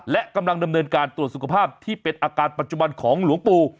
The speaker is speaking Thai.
และกำลังดำเนินการตรวจสุขภาพที่เป็นอาการปัจจุบันของหลวงปู่